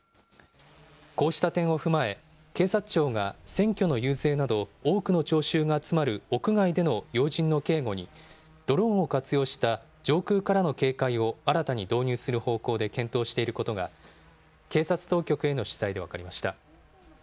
こうした点を踏まえ、警察庁が選挙の遊説など、多くの聴衆が集まる屋外での要人の警護に、ドローンを活用した上空からの警戒を新たに導入する方向で検討していることが、警察当局への取材で分かりました。